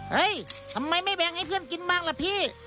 ทำไมไม่แบงให้เพื่อนกินบ้างล่ะพี่